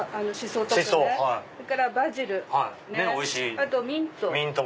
それからバジルあとミント。